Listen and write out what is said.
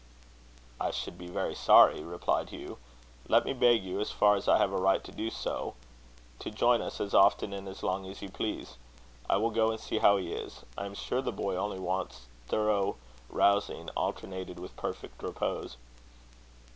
"I should be very sorry," replied Hugh. "Let me beg you, as far as I have a right to do so, to join us as often and as long as you please. I will go and see how he is. I am sure the boy only wants thorough rousing, alternated with perfect repose."